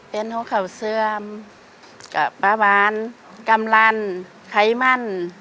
เป็นโรคเข่าเสื้อมประวานกำลังไขมัน